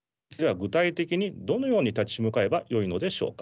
具体的にどのように立ち向かえばよいのでしょうか。